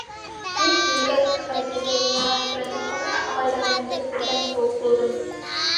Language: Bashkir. Һин килгәс, Ғәзизулла, Йәрмөхәмәт ағайҙарыңды күргән кеүек булдым.